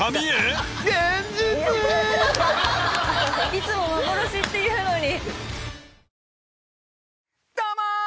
いつも幻って言うのに。